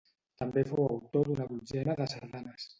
També fou autor d'una dotzena de sardanes.